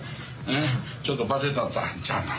ちょっとバテとったんちゃうの？